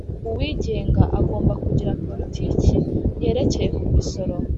uwigenga agomba kugira politiki yerekeye ku misoro